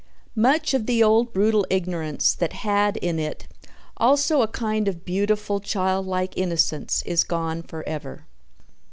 Much of the old brutal ignorance that had in it also a kind of beautiful childlike innocence is gone forever.